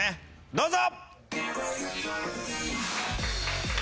どうぞ！